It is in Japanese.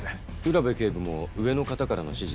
占部警部も上の方からの指示で現場に？